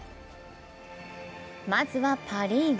まずは、パ・リーグ。